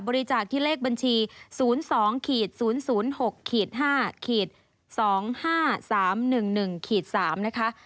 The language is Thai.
บริจาคที่เลขบัญชี๐๒๐๐๖๕๒๕๓๑๑๓นะคะ